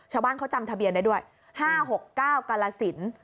ชาวบ้านเขาจำทะเบียนได้ด้วย๕๖๙กาลสิน